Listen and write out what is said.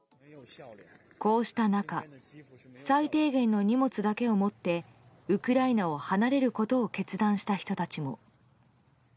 こうした中最低限の荷物だけを持ってウクライナを離れることを決断した人たちも。